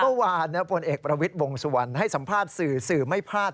เมื่อวานผลเอกประวิทย์วงสุวรรณให้สัมภาษณ์สื่อสื่อไม่พลาด